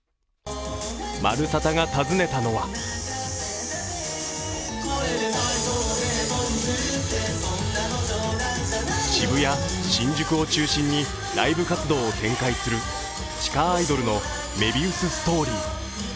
「まるサタ」が訪ねたのは渋谷、新宿を中心にライブ活動を展開する地下アイドルのＭＥＶＩＵＳＳＴＯＲＹ。